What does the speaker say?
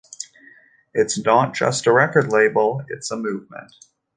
It's not just a record label, it's a movement.